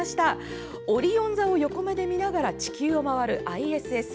オリオン座を横目で見ながら地球を回るＩＳＳ。